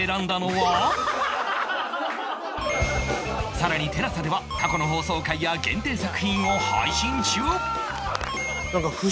さらに ＴＥＬＡＳＡ では過去の放送回や限定作品を配信中